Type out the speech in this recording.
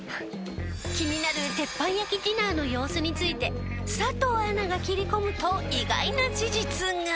気になる鉄板焼きディナーの様子について佐藤アナが切り込むと意外な事実が。